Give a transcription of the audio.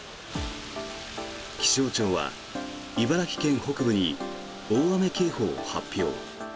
気象庁は茨城県北部に大雨警報を発表。